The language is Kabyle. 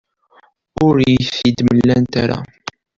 Ur iyi-t-id-mlant ara.